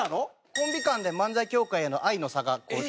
コンビ間で漫才協会への愛の差がありまして。